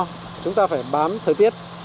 thì trời mưa to chúng ta phải bám thời tiết